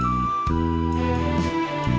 ไม่ใช้ครับไม่ใช้ครับ